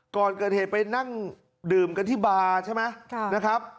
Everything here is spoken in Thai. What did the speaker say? ก่อนเกิดเหตุไปนั่งดื่มกันที่บาร์ใช่ไหมนะครับ